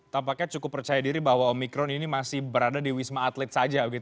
tampaknya cukup percaya diri bahwa omikron ini masih berada di wisma atlet saja